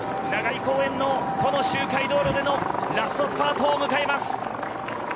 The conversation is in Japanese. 長居公園のこの周回道路でのラストスパートを迎えます。